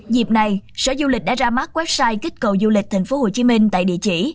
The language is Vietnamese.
dịp này sở du lịch đã ra mắt website kích cầu du lịch thành phố hồ chí minh tại địa chỉ